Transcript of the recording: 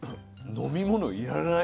飲み物要らない。